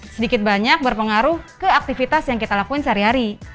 sedikit banyak berpengaruh ke aktivitas yang kita lakuin sehari hari